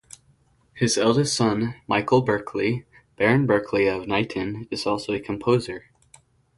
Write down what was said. His eldest son, Michael Berkeley, Baron Berkeley of Knighton, is also a composer.